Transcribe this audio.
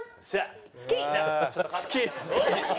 「好き」。